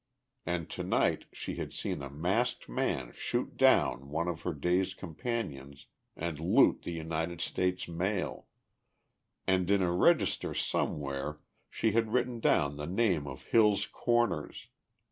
And tonight she had seen a masked man shoot down one of her day's companions and loot the United States mail.... And in a register somewhere she had written down the name of Hill's Corners.